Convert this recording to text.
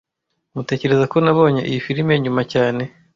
Tmutekereza ko nabonye iyi firime nyuma cyane